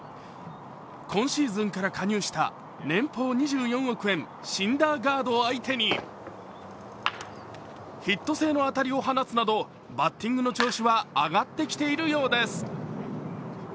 今シーズンから加入した年俸２４億円、シンダーガード相手にヒット性の当たりを放つなどバッティングの調子は上がってきているようです。